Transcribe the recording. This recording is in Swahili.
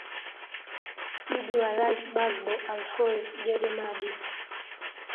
maji wa rais bagbo alfonsi jeje madi